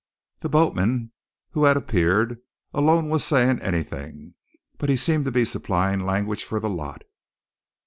The boatman, who had appeared, alone was saying anything, but he seemed to be supplying language for the lot.